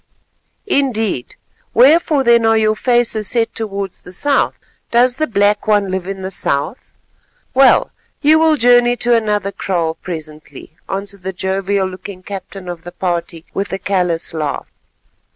"Indeed. Wherefore then are your faces set towards the south? Does the Black One live in the south? Well, you will journey to another kraal presently," answered the jovial looking captain of the party with a callous laugh.